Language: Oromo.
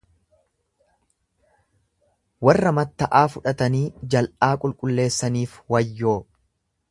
Warra matta'aa fudhatanii jal'aa qulqulleessaniif wayyoo!